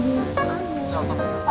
sel apa kesalahan